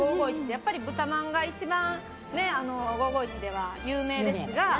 豚まんが一番５５１では有名ですが。